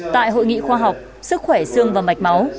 tại hội nghị khoa học sức khỏe xương và mạch máu